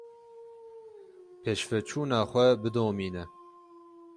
Pêşveçûna xwe bidomîne.